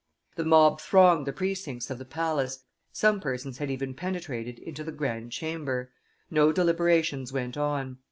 The mob thronged the precincts of the Palace, some persons had even penetrated into the grand chamber; no deliberations went on.